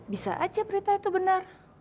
bisa aja berita itu benar